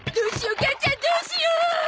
母ちゃんどうしよう！？